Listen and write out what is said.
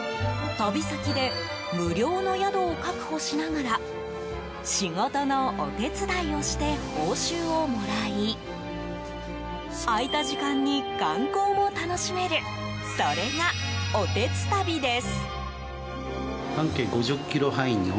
旅先で無料の宿を確保しながら仕事のお手伝いをして報酬をもらい空いた時間に観光も楽しめるそれが、おてつたびです。